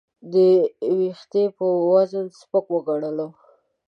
د وېښتې په وزن سپک وګڼلو.